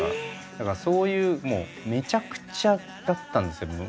だからそういうめちゃくちゃだったんですよ